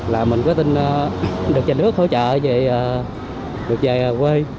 là mình có tin được giành ước hỗ trợ được về quê